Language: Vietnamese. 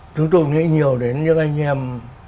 chúng tôi nghĩ nhiều đến những anh em